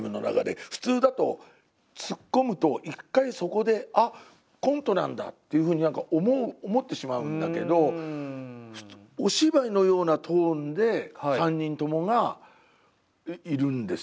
普通だとツッコむと一回そこであっコントなんだっていうふうに思ってしまうんだけどお芝居のようなトーンで３人ともがいるんですよ。